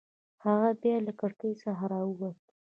هغه بیا له کړکۍ څخه راووت.